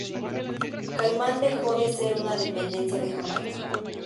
Caimán dejó de ser una dependencia de Jamaica.